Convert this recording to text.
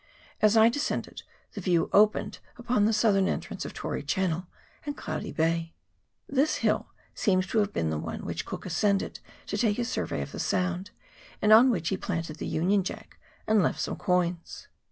As I descended, the view opened upon the southern en trance of Tory Channel and Cloudy Bay. This hill seems to have been the one which Cook ascended to take his survey of the sound, and on which he planted the union jack, and left some coins.